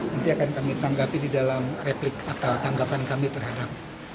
nanti akan kami tanggapi di dalam replik atau tanggapan kami terhadap